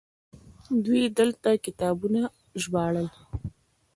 دوی دلته کتابونه ژباړل